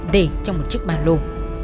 để trong một chiếc ba lồ